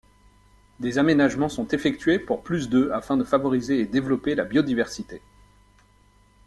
Des aménagements sont effectués pour plus de afin de favoriser et développer la biodiversité.